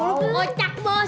yaudah kecek ketawa